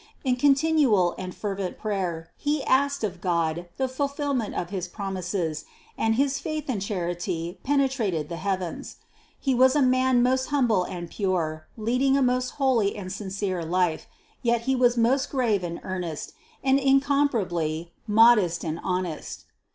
In continual and fervent prayer he asked of God the fulfillment of his promises, and his faith and charity penetrated the heav ens. He was a man most humble and pure, leading a most holy and sincere life, yet he was most grave and earnest, and incomparably modest and honest.